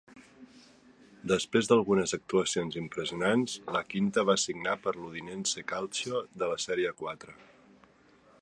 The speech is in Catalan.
Després d'algunes actuacions impressionants, laquinta va signar per l'Udinese Calcio, de la Sèrie A.